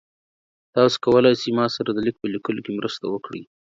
تاسو کولی شئ ما سره د لیک په لیکلو کې مرسته وکړئ؟